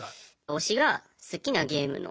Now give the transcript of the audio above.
推しが好きなゲームのテレビ